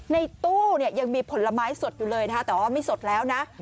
ในตู้เนี่ยยังมีผลไม้สดอยู่เลยนะคะแต่ว่าไม่สดแล้วนะ